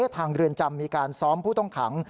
เรือนจำมีการซ้อมผู้ต้องขัง